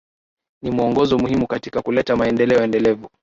Ni mwongozo muhimu katika kuleta maendeleo endelevu